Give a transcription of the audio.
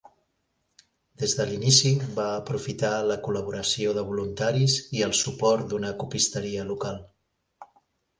Des de l'inici va aprofitar la col·laboració de voluntaris i el suport d'una copisteria local.